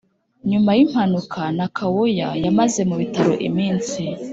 nyuma y’impanuka, nakawooya yamaze mu bitaro iminsi